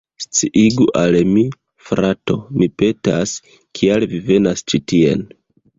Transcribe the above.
Sciigu al mi, frato, mi petas, kial vi venis ĉi tien.